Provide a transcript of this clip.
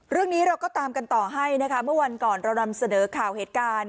เรื่องนี้เราก็ตามกันต่อให้นะคะเมื่อวันก่อนเรานำเสนอข่าวเหตุการณ์